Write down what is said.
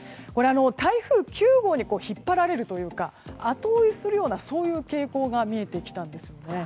台風９号に引っ張られるというか後追いするような傾向が見えてきたんですよね。